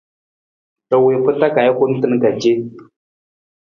Ra wii pa taa ka ajukun tan ka ce.